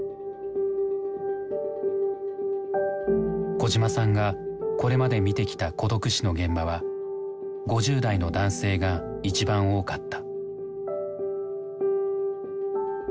小島さんがこれまで見てきた孤独死の現場は５０代の男性が一番多かった。